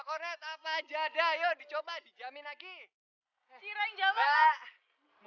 pokoknya papi akan kerahkan semua orang kepercayaan papi untuk mencari keberadaan